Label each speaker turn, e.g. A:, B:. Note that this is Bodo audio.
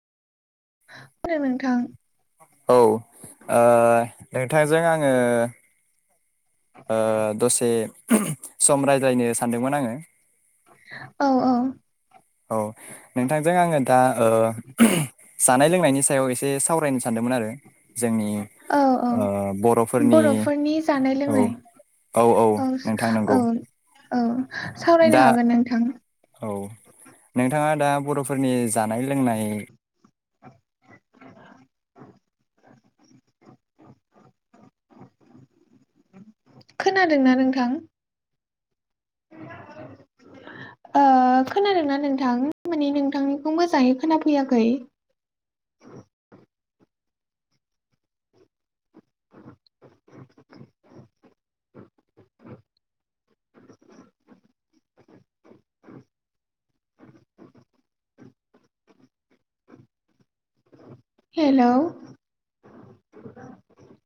A: [unintelligible] नोंथां
B: औ ओ नोंथांजों आङो ओ दसे [unintelligible] सम रायज्लायनो सानदोंमोन आङो
A: औ औ।
B: औ नोंथांजो आङो दा ओ ‌ [unintelligible] जानाय लोंनायनि सायाव एसे सावरायनो सानदों मोन आरो जोंनि
A: औ औ
B: ओ ब
A: बर'फोरनि जानाय लोंनाय औ औ। औ
B: दा
A: सावरायनो हागोन नोंथां।
B: औ नोंथाङा दा बर'फोरनि जानाय लोंनाय
A: [unintelligible] [unintelligible] खोनादोंना नोंथां? [unintelligible] ओ खोनादोंना नोंथां माने नोंथांनिखौ मोजाङै खोनाफैयाखै? [inaudible] हेल'।